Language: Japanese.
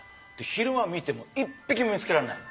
昼間見ても一匹も見つけらんない。